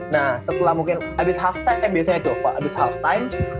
nah setelah mungkin abis halftime ya biasanya tuh abis halftime